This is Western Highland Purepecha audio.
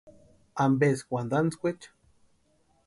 ¿Ampeski wantantskwaecha?